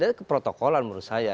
dan keprotokolan menurut saya